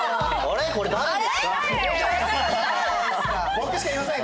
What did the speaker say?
僕しかいません。